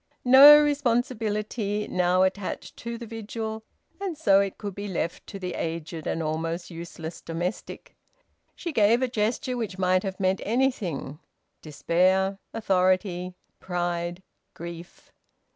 No responsibility now attached to the vigil, and so it could be left to the aged and almost useless domestic. She gave a gesture which might have meant anything despair, authority, pride, grief.